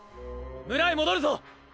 村へ戻るぞ！